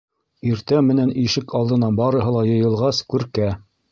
Иртә менән ишек алдына барыһы ла йыйылғас, Күркә: